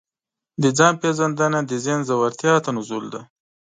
د ځان پېژندنه د ذهن ژورتیا ته نزول دی.